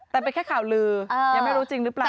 แต่เป็นแค่ข่าวลือยังไม่รู้จริงหรือเปล่า